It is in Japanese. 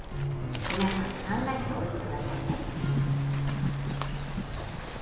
皆さん考えておいて下さいね。